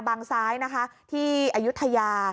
ซ้ายนะคะที่อายุทยา